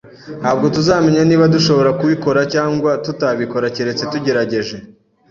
Ntabwo tuzamenya niba dushobora kubikora cyangwa tutabikora keretse tugerageje